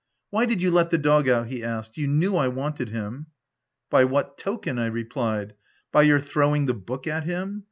" Why did you let the dog out ?" he asked. "You knew I wanted him." "By what token?" I replied; "by your throwing the book at him